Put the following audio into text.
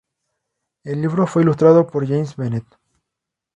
El libro fue ilustrado por James Bennett.